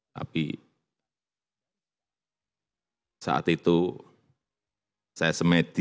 tapi saat itu saya semedi